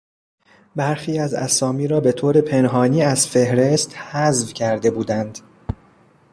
برخی از اسامی را به طور پنهانی از فهرست حذف کرده بودند.